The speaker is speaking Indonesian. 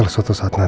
ya kanan ya kanan